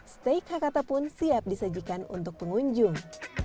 steak hakata pun siap disajikan untuk pengunjung